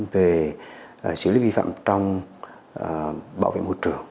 về xử lý vi phạm trong bảo vệ môi trường